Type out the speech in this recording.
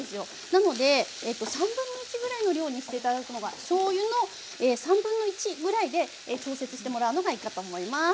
なので1/3ぐらいの量にして頂くのがしょうゆの1/3ぐらいで調節してもらうのがいいかと思います。